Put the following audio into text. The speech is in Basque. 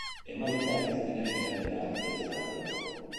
Emaitzak ez dira igandera arte ezagutuko.